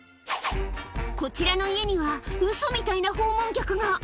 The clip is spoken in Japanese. こちらの家には、ウソみたいな訪問客が。